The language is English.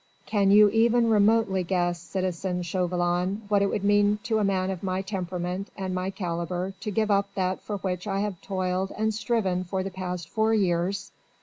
Can you even remotely guess, citizen Chauvelin, what it would mean to a man of my temperament and of my calibre to give up that for which I have toiled and striven for the past four years?